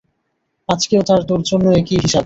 আজকেও তোর জন্য একই হিসাব।